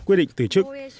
quyết định từ chức